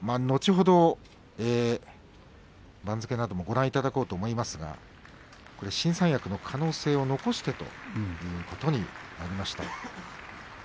後ほど番付などもご覧いただこうと思いますが新三役の可能性を残してということになりました。